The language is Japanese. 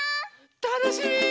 たのしみ！